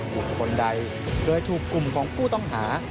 บุคคลใดโดยถูกกลุ่มของผู้ต้องหา